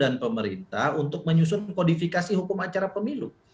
dan pemerintah untuk menyusun kodifikasi hukum acara pemilu